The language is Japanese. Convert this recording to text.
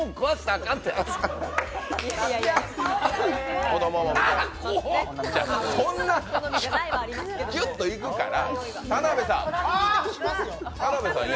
あっ、ごっそんなギュッといくから！